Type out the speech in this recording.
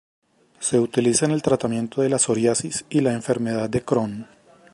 Se utiliza en el tratamiento de la psoriasis y la enfermedad de Crohn.